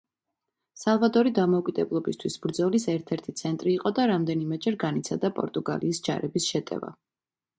სალვადორი დამოუკიდებლობისთვის ბრძოლის ერთ-ერთი ცენტრი იყო და რამდენიმეჯერ განიცადა პორტუგალიის ჯარების შეტევა.